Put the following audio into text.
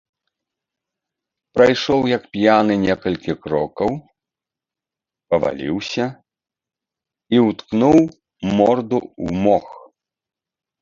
Прайшоў, як п'яны, некалькі крокаў, паваліўся і ўткнуў морду ў мох.